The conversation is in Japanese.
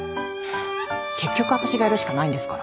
結局私がやるしかないんですから。